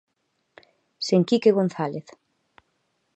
Sen Quique González.